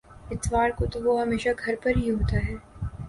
اتوار کو وہ ہمیشہ گھر پر ہی ہوتا ہے۔